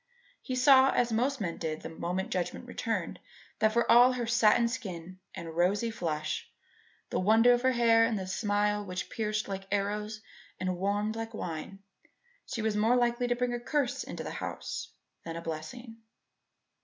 He saw, as most men did the moment judgment returned, that for all her satin skin and rosy flush, the wonder of her hair and the smile which pierced like arrows and warmed like wine, she was more likely to bring a curse into the house than a blessing.